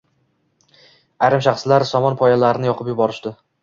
ayrim shaxslar somon poyalarini yoqib yuborishdi.